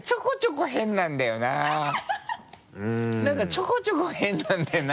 何かちょこちょこ変なんだよな